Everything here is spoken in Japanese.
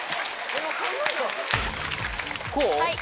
はい！